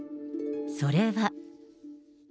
それは。